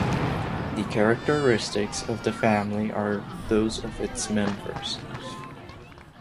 The characteristics of the family are those of its members.